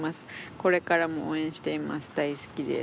これからも応援しています。